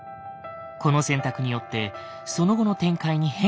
この選択によってその後の展開に変化が。